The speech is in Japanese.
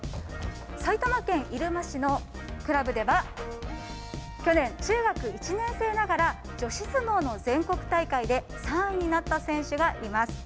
埼玉県入間市のクラブでは去年、中学１年生ながら女子相撲の全国大会で３位になった選手がいます。